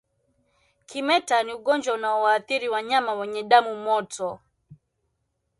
Kimeta ni ugonjwa unaowaathiri wanyama wenye damu moto